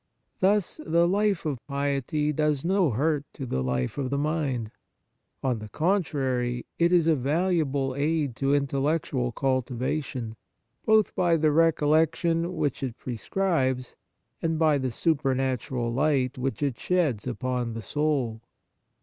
Thus, the life of piety does no hurt to the life of the mind. On the contrary, it is a valuable aid to intellectual cultivation, both by the recollection which it pre scribes, and by the supernatural light which it sheds upon the soul.